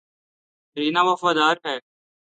رینا وفادار ہے